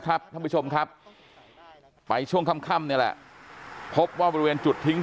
ท่านผู้ชมครับไปช่วงค่ำนี่แหละพบว่าบริเวณจุดทิ้ง